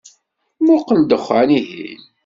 Muqel ddexan-ihin.